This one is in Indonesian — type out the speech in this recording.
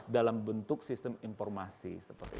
dalam bentuk sistem informasi seperti itu